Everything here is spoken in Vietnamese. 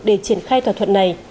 để triển khai thỏa thuận này